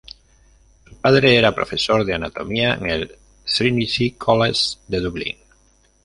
Su padre era profesor de anatomía en el Trinity College de Dublín.